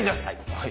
はい。